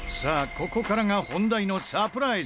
ここからが本題のサプライズ。